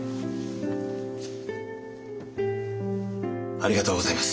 ありがとうございます。